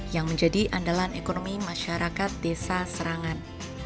yang menjadi andalan ekonomi masyarakat desa serangan